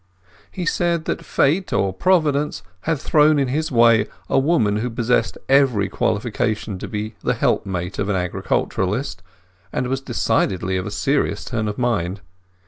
He said that fate or Providence had thrown in his way a woman who possessed every qualification to be the helpmate of an agriculturist, and was decidedly of a serious turn of mind.